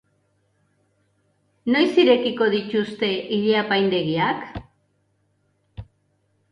Noiz irekiko dituzte ile-apaindegiak?